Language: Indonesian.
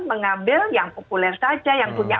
mengambil yang populer saja yang punya